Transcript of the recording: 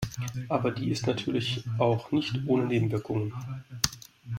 Aber die ist natürlich auch nicht ohne Nebenwirkungen.